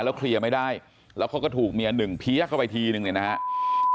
เคลียร์ไม่ได้แล้วเขาก็ถูกเมียหนึ่งเพี้ยเข้าไปทีนึงเนี่ยนะฮะ